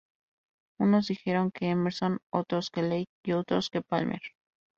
Unos dijeron que Emerson, otros que Lake, y otros que Palmer.